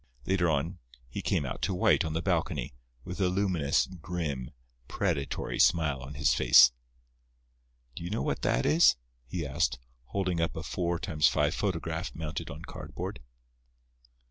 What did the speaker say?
Later on he came out to White on the balcony, with a luminous, grim, predatory smile on his face. "Do you know what that is?" he asked, holding up a 4 × 5 photograph mounted on cardboard.